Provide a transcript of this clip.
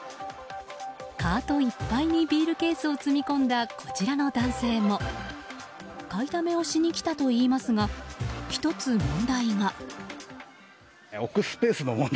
カートいっぱいにビールケースを積み込んだこちらの男性も買いだめをしに来たといいますが１つ、問題が。